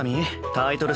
タイトル